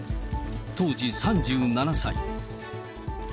当時３７歳。